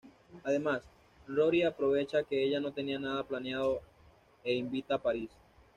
Además, Rory aprovecha que ella no tenía nada planeado e invita a Paris.